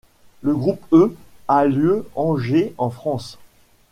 Le Groupe E a lieu Angers en France.